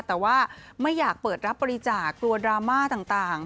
แต่ว่าไม่อยากเปิดรับบริจาคกลัวดราม่าต่าง